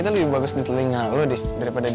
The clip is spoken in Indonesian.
saya juga sih gak mau sih